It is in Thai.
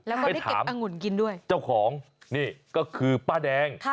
แล้วก็ได้เก็บอังุ่นกินด้วยไปถามเจ้าของนี่ก็คือป้าแดง